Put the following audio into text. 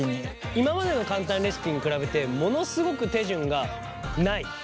今までの簡単レシピに比べてものすごく手順がない。